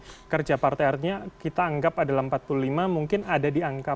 jadi kerja partai artinya kita anggap adalah empat puluh lima mungkin ada di angka empat puluh